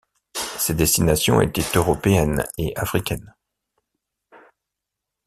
Ses destinations étaient européennes et africaines.